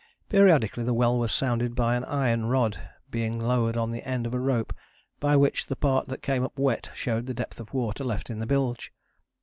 Periodically the well was sounded by an iron rod being lowered on the end of a rope, by which the part that came up wet showed the depth of water left in the bilge.